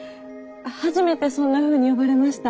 初めてそんなふうに呼ばれました。